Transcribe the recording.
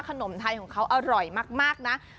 ขนมไทยของเขาอร่อยมากนะ